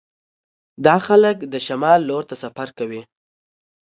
دا خلک د شمال لور ته سفر کوي